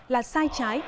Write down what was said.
là sai trái